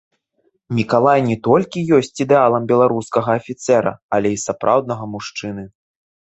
Мікалай не толькі ёсць ідэалам беларускага афіцэра, але і сапраўднага мужчыны.